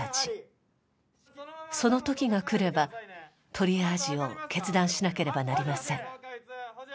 そのときが来ればトリアージを決断しなければなりません。